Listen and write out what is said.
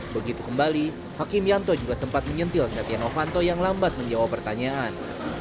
begitu kembali hakim yanto juga sempat menyentil setia novanto yang lambat menjawab pertanyaan